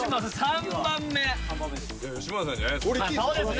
３番目吉村さんじゃないです？